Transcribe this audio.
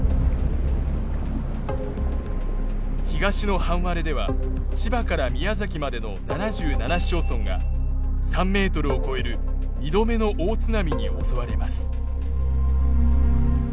東の半割れでは千葉から宮崎までの７７市町村が３ｍを超える２度目の大津波に襲われます。